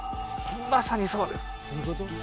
まさにそうです